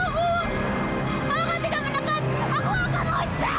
kalau kau tidak menekat aku akan rusak